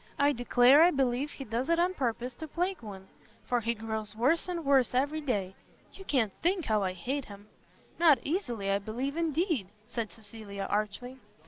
I declare I believe he does it on purpose to plague one, for he grows worse and worse every day. You can't think how I hate him!" "Not easily, I believe indeed!" said Cecilia, archly.